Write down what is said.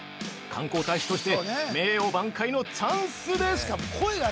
観光大使として名誉挽回のチャンスです。